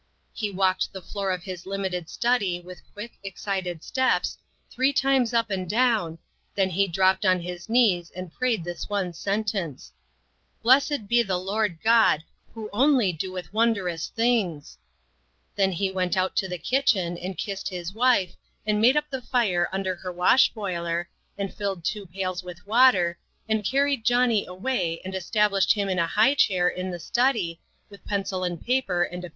He walked the floor of his limited study with quick, excited steps, three times up and down, then he dropped on his knees and prayed this one sentence, " Blessed be the Lord God, who only doeth wondrous things !" Then he went out to the kitchen, and kissed his wife, and made up the fire under her wash boiler, and filled two pails with water, and carried Johnnie away and established him in a high chair in the study, with pencil and paper and a INTERRUPTED.